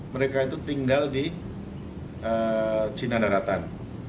mereka itu tinggal di cina daratan